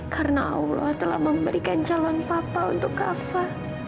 karena allah telah memberikan calon papa untuk kafa